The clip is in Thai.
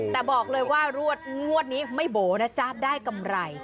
แต่บอกเลยว่างวดนี้ไม่โบ๋นะจ๊ะได้กำไร